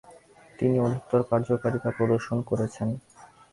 তিনি অধিকতর কার্যকারিতা প্রদর্শন করেছেন।